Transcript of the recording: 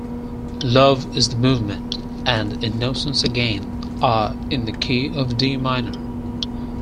"Love is the Movement" and "Innocence Again" are in the key of D minor.